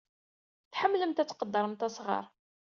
Tḥemmlemt ad tqeddremt asɣar.